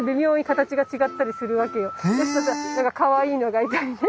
だからかわいいのがいたりね。